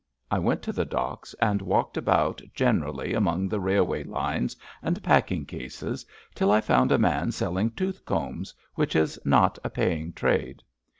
I went to the docks and Tiralked about generally among the railway lines and pack ing caseSy till I found a man selling tooth combs, which is not a paying trade.